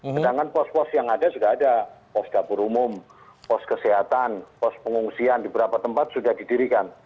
sedangkan pos pos yang ada juga ada pos dapur umum pos kesehatan pos pengungsian di beberapa tempat sudah didirikan